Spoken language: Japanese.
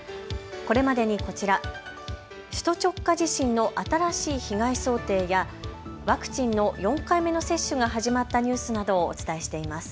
これまでに、こちら首都直下地震の新しい被害想定やワクチンの４回目の接種が始まったニュースなどをお伝えしています。